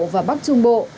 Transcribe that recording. và bắc trung bộ